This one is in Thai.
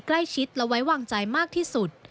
ใกล้ชิดและไว้วางใจมากที่สุด